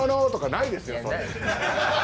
ないですよ。